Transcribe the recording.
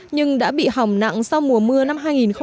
nhưng đã bị hỏng nặng sau mùa mưa năm hai nghìn một mươi tám